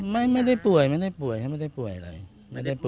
ไม่ได้ป่วยไม่ได้ป่วยครับไม่ได้ป่วยอะไร